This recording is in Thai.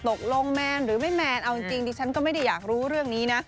ตกลงแมนหรือไม่แมนเอาจริงดิฉันก็ไม่ได้อยากรู้เรื่องนี้นะ